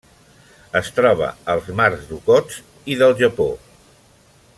Es troba als mars d'Okhotsk i del Japó.